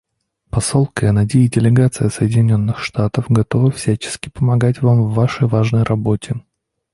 Посол Кеннеди и делегация Соединенных Штатов готовы всячески помогать Вам в Вашей важной работе.